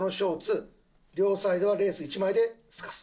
両サイドはレース１枚で透かす。